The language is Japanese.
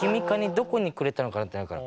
どこにくれたのかなってなるから。